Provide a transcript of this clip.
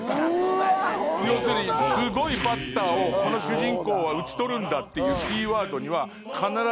要するにすごいバッターをこの主人公は打ち取るんだっていうキーワードには。